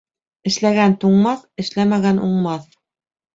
Эшләгән туңмаҫ, эшләмәгән уңмаҫ.